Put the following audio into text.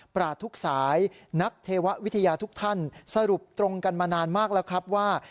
ปราศทุกสายนักเทววิทยาทุกท่านสรุปตรงกันมานานมากแล้วครับว่า